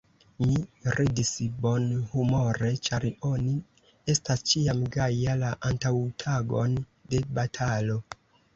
Mi ridis bonhumore, ĉar oni estas ĉiam gaja, la antaŭtagon de batalo.